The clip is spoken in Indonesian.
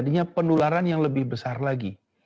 adanya penularan yang lebih besar lagi